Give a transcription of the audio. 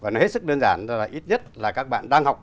nó hết sức đơn giản là ít nhất là các bạn đang học